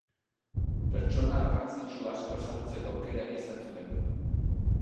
Pertsona garrantzitsu asko ezagutzeko aukera ere izan zuen.